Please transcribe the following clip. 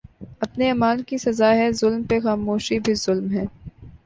اپنے اعمال کی سزا ہے ظلم پہ خاموشی بھی ظلم ہے